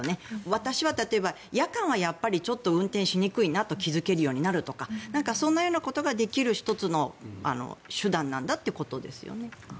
私は例えば、夜間はやっぱりちょっと運転しにくいなと気付けるようになるとかそういうことができる１つの手段なんだということですよね。